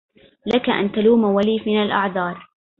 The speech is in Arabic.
لك أن تلوم ولي من الأعذار